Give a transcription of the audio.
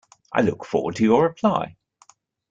I look forward to your reply.